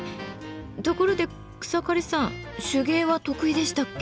ところで草刈さん手芸は得意でしたっけ？